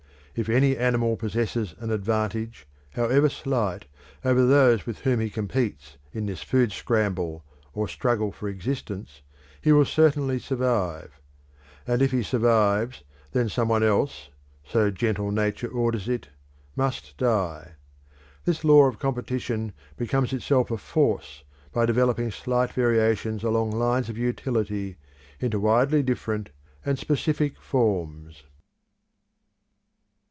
If any animal possesses an advantage, however slight, over those with whom he competes in this food scramble or struggle for existence, he will certainly survive; and if he survives, then some one else, so gentle Nature orders it, must die. This law of competition becomes itself a force by developing slight variations along lines of utility into widely different and specific forms.